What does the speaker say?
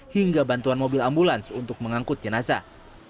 hingga bantuan mobil ambulans untuk mengangkut jenazah